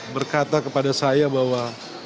berkata kepada saya bahwa